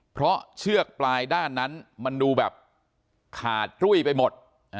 เพราะเชือกปลายด้านนั้นมันดูแบบขาดจุ้ยไปหมด